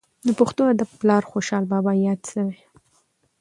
د پښتو ادب پلار خوشحال بابا یاد سوى.